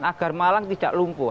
agar malang tidak lumpuh